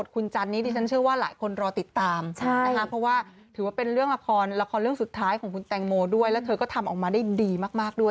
ถูกต้องค่ะคุณผู้ชม